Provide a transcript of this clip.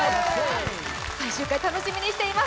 最終回楽しみにしています。